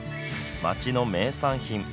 町の名産品。